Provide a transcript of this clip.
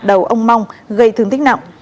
đầu ông mong gây thương tích nặng